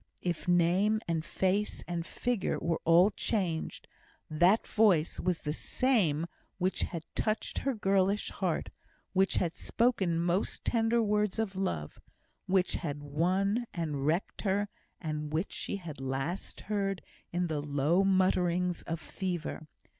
if name, and face, and figure were all changed, that voice was the same which had touched her girlish heart, which had spoken most tender words of love, which had won, and wrecked her, and which she had last heard in the low mutterings of fever.